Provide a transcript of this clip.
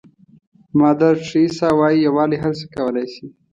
مادر تریسا وایي یووالی هر څه کولای شي.